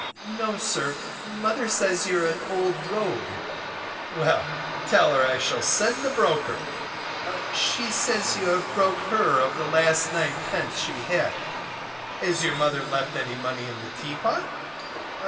No, sir, mother says you're an old rogue. Well, tell her I shall send the broker. She says you have broke her of the last 9d. she had. Has your mother left any money in the teapot?